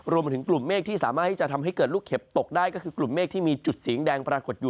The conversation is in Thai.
รวมถึงกลุ่มเมฆที่สามารถที่จะทำให้เกิดลูกเห็บตกได้ก็คือกลุ่มเมฆที่มีจุดสีแดงปรากฏอยู่